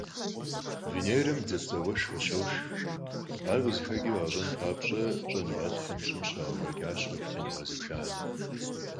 Венерэм бдзапцIэ уэшх къыщошх. Ар къызыхэкIыр къащIэн папщIэ щIэныгъэлIхэм ЩIым щрагъэкIуэкIащ къэхутэныгъэ зыбжанэ.